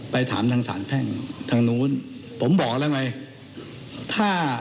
ไปถามทางสารแพ่งทางนู้นผมบอกแล้วไงถ้า